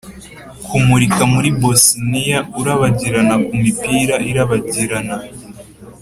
kumurika muri bosiniya, urabagirana kumipira irabagirana,